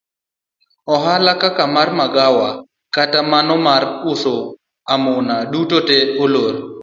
Ohala kaka mar magawa kata mano mar uso amuna duto ne olor.